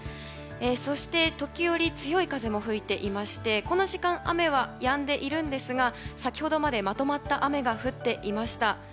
そして、時折強い風も吹いていましてこの時間雨はやんでいるんですが先ほどまでまとまった雨が降っていました。